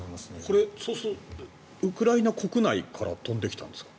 これ、そうするとウクライナ国内から飛んできたんですか？